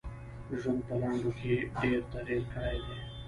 ژوند په لنډو کي ډېر تغیر کړی دی .